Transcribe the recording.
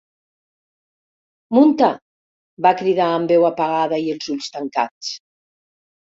Munta! —va cridar amb veu apagada i els ulls tancats.